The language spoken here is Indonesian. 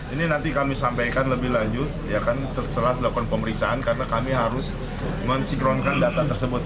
ini nanti kami sampaikan lebih lanjut ya kan terserah dilakukan pemeriksaan karena kami harus mensinkronkan data tersebut